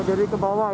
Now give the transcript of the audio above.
oh jadi ke bawah ya